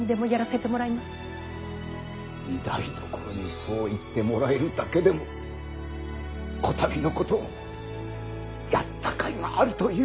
御台所にそう言ってもらえるだけでもこたびのことやった甲斐があるというものだ。なあ？